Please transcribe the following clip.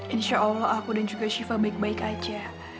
insyaallah aku dan juga siva baik baik aja